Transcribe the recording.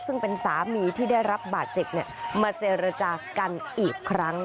ซึ่งเป็นสามีที่ได้รับบาดเจ็บมาเจรจากันอีกครั้ง